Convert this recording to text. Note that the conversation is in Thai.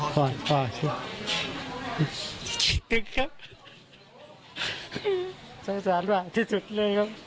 พ่อคิดถึงครับสงสารมากที่สุดเลยครับ